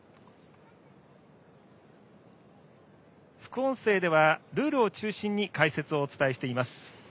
副音声ではルールを中心に解説をお伝えしています。